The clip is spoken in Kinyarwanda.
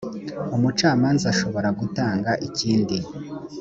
umucamanza ashobora gutanga ikindi